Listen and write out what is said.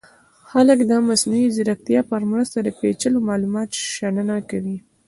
خلک د مصنوعي ځیرکتیا په مرسته د پیچلو معلوماتو شننه کوي.